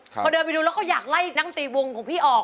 พอเดินไปดูแล้วก็อยากไล่นักตีวงของพี่ออก